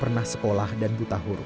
pernah tidak punya yang penting cucu